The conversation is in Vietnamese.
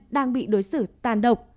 đang bị đối xử tàn độc